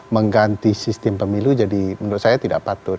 mengganti sistem pemilu jadi menurut saya tidak patut